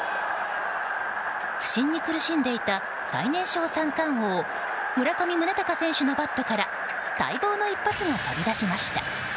不振に苦しんでいた最年少三冠王村上宗隆選手のバットから待望の一発が飛び出しました。